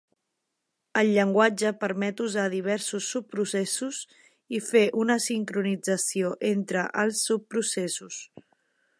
El llenguatge permet usar diversos subprocessos i fer una sincronització entre els subprocessos.